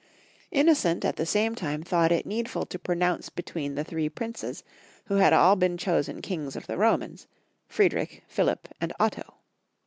Innocent at the same time thought it needful to pronounce between the three princes, who had all been chosen kings of the Romans — Friedrich, Philip, and Otto.